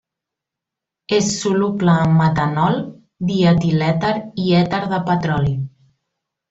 És soluble en metanol, dietilèter i èter de petroli.